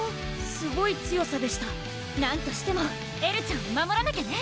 すごい強さでしたなんとしてもエルちゃんを守らなきゃね！